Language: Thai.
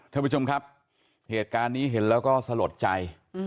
ท่านผู้ชมครับเหตุการณ์นี้เห็นแล้วก็สลดใจ